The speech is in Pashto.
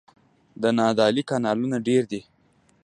د نادعلي کانالونه ډیر دي